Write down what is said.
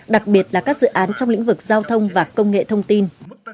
đặc biệt là các dự án trong lĩnh vực giao thông và công nghệ thông tin